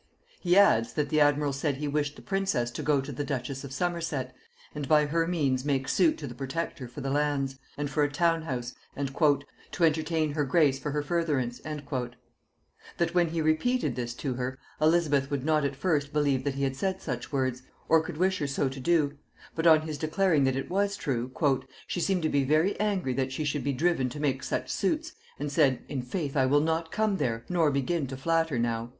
He adds, that the admiral said he wished the princess to go to the duchess of Somerset, and by her means make suit to the protector for the lands, and for a town house, and "to entertain her grace for her furtherance." That when he repeated this to her, Elizabeth would not at first believe that he had said such words, or could wish her so to do; but on his declaring that it was true, "she seemed to be angry that she should be driven to make such suits, and said, 'In faith I will not come there, nor begin to flatter now.'"